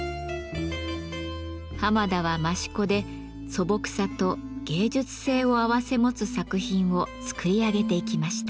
濱田は益子で素朴さと芸術性を併せ持つ作品を作り上げていきました。